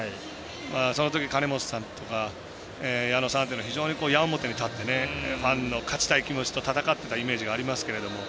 そのとき、金本さんとか矢野さんというのは矢面に立ってファンの勝ちたい気持ちと戦ってたイメージがあるんですけど。